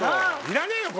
いらねえよ